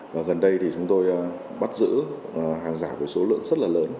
và gần đây thì chúng tôi bắt giữ hàng giả với số lượng rất là lớn